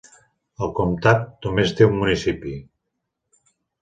El comtat només té un municipi: